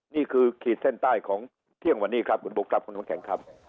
นี่คือขีดเส้นใต้ของเที่ยงวันนี้ครับคุณบุ๊คทัพคุณมันแข็งครับ